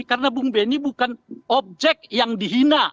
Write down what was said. karena bung benny bukan objek yang dihina